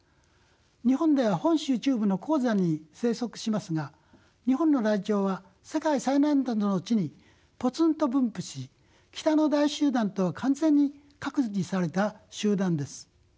日本では本州中部の高山に生息しますが日本のライチョウは世界最南端の地にポツンと分布し北の大集団とは完全に隔離された集団です。